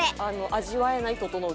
味わえないととのう。